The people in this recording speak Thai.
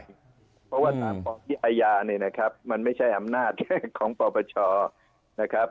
เพราะว่าตามที่อาญาเนี่ยนะครับมันไม่ใช่อำนาจของปปชนะครับ